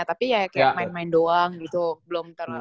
tapi ya kayak main main doang ya kan